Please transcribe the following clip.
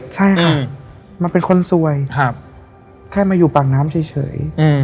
เฉยมาอยู่ปากน้ำเฉย